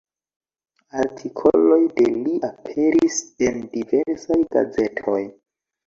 Artikoloj de li aperis en diversaj gazetoj.